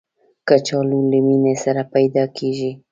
کچالو له مینې سره پیدا کېږي